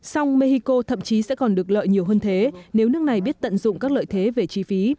song mexico thậm chí sẽ còn được lợi nhiều hơn thế nếu nước này biết tận dụng các lợi thế về chi phí